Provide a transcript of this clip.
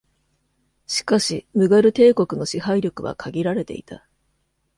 しかし、ムガル帝国の支配力は限られていた。